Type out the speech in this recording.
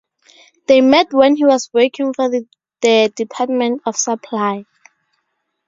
They met when he was working for the Department of Supply.